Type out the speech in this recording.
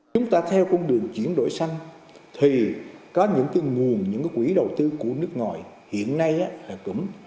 chúng ta theo con đường chuyển đổi xanh thì có những nguồn những quỹ đầu tư của nước ngoài hiện nay là cũng